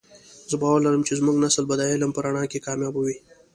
زه باور لرم چې زمونږ نسل به د علم په رڼا کې کامیابه وی